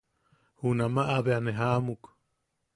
Junamaʼa bea ne jaʼamuk.